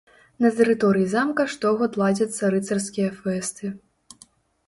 На тэрыторыі замка штогод ладзяцца рыцарскія фэсты.